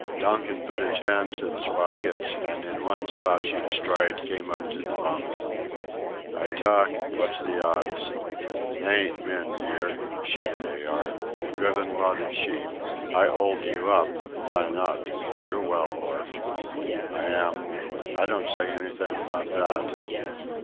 Donkin put his hands in his pockets, and in one slouching stride came up to the bunk. "I talk what's the odds. They ain't men 'ere sheep they are. A driven lot of sheep. I 'old you up... Vy not? You're well orf." "I am... I don't say anything about that...."